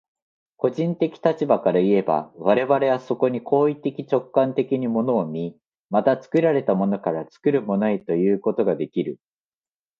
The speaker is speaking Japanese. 個人的立場からいえば、我々はそこに行為的直観的に物を見、また作られたものから作るものへということができる。